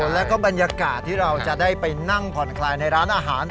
แล้วก็บรรยากาศที่เราจะได้ไปนั่งผ่อนคลายในร้านอาหาร